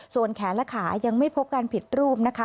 ส่วนแขนและขายังไม่พบการผิดรูปนะคะ